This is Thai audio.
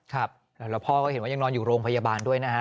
ครับแล้วพ่อก็เห็นว่ายังนอนอยู่โรงพยาบาลด้วยนะฮะ